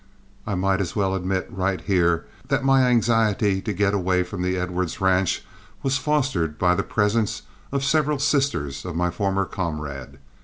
I might as well admit right here that my anxiety to get away from the Edwards ranch was fostered by the presence of several sisters of my former comrade.